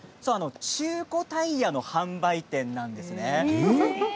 中古タイヤの販売店なんです。